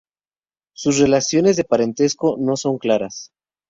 Sus relaciones de parentesco no son claras.